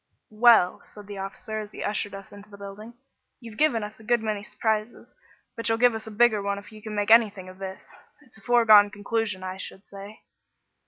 "Well," said the officer as he ushered us into the building, "you've given us a good many surprises, but you'll give us a bigger one if you can make anything of this. It's a foregone conclusion, I should say."